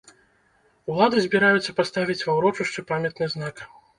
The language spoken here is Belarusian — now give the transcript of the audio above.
Улады збіраюцца паставіць ва ўрочышчы памятны знак.